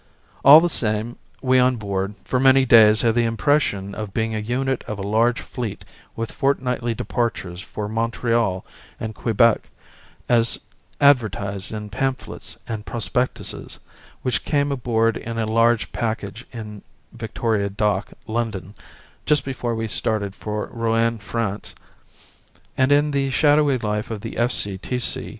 All the same we on board, for many days, had the impression of being a unit of a large fleet with fortnightly departures for Montreal and Quebec as advertised in pamphlets and prospectuses which came aboard in a large package in Victoria Dock, London, just before we started for Rouen, France. And in the shadowy life of the F.C.T.C.